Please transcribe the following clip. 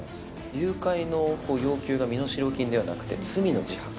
誘拐の要求が身代金ではなくて、罪の自白。